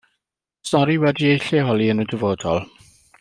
Stori wedi'i lleoli yn y dyfodol.